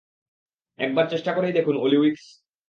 একবার চেষ্টা করেই দেখুন ওলি উইকস!